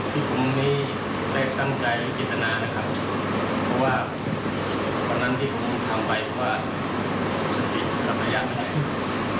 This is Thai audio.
ผมทำด้วยคลิปผมนี้